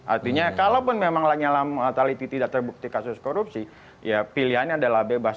artinya kalaupun memang lanyala mataliti tidak terbukti kasus korupsi ya pilihannya adalah bebas